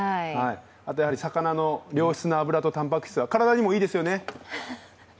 あと魚の良質な脂とタンパク質は、体にもいいですよね。